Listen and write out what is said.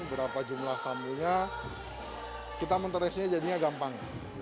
berapa jumlah tamunya kita menteraksinya jadinya gampang